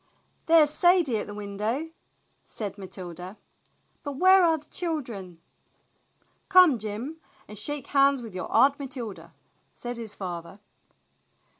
"There's Sadie at the window," said Matilda, "But where are the children?" "Come, Jim, and shake hands with your Aunt Matilda," said his father.